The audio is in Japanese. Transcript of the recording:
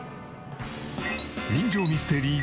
人情ミステリー